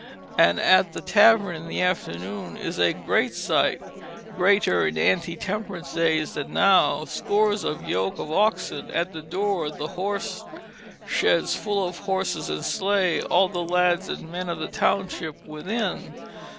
And at the tavern in the afternoon is a great sight, greater in ante temperance days than now: scores of yoke of oxen at the door, the horse sheds full of horses and sleighs, all the lads and men of the township within.